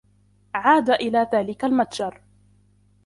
عاد إلى ذلك المتجر.